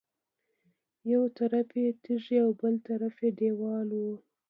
یو طرف یې تیږې او بل طرف یې دېوال و.